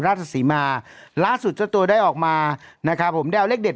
ราชศรีมาล่าสุดเจ้าตัวได้ออกมานะครับผมได้เอาเลขเด็ด